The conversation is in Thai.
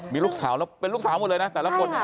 มีลูกสาวเป็นลูกสาวหมดเลยนะแต่ละคน